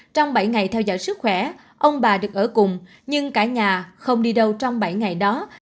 trong bảy ngày theo dõi sức khỏe ông bà được ở cùng nhưng cả nhà không đi đâu trong bảy ngày đó